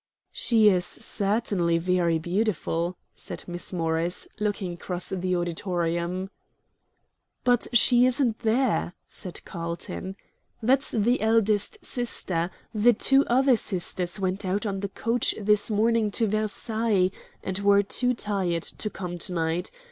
"She is certainly very beautiful," said Miss Morris, looking across the auditorium. "But she isn't there," said Carlton. "That's the eldest sister; the two other sisters went out on the coach this morning to Versailles, and were too tired to come tonight.